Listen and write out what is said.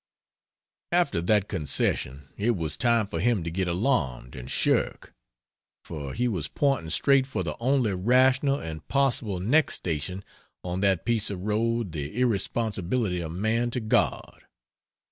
After that concession, it was time for him to get alarmed and shirk for he was pointing straight for the only rational and possible next station on that piece of road the irresponsibility of man to God.